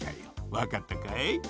わかったかい？